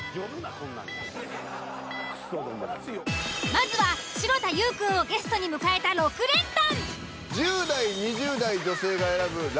まずは城田優くんをゲストに迎えた６連単。